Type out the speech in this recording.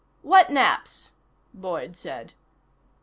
"What naps?" Boyd said.